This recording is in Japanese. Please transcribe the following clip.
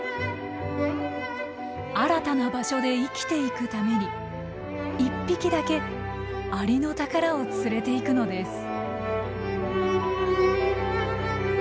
新たな場所で生きていくために１匹だけアリノタカラを連れていくのです。